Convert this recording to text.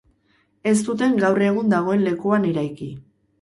Ez zuten gaur egun dagoen lekuan eraiki.